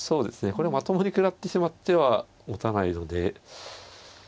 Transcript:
これまともに食らってしまってはもたないので。